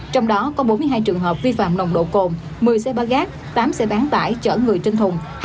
trong đó có bốn mươi hai trường hợp vi phạm nồng độ cồn một mươi xe ba gác tám xe bán tải chở người trên thùng